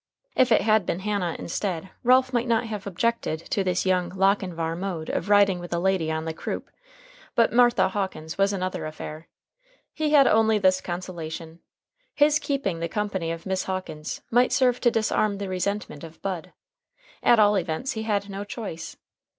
If it had been Hannah instead, Ralph might not have objected to this "young Lochinvar" mode of riding with a lady on "the croup," but Martha Hawkins was another affair. He had only this consolation; his keeping the company of Miss Hawkins might serve to disarm the resentment of Bud. At all events, he had no choice.